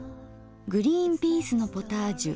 「グリーンピースのポタージュ」。